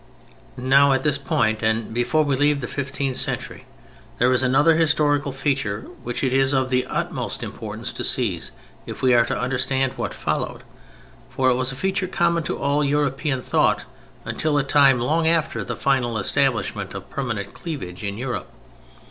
Now at this point—and before we leave the fifteenth century—there is another historical feature which it is of the utmost importance to seize if we are to understand what followed; for it was a feature common to all European thought until a time long after the final establishment of permanent cleavage in Europe.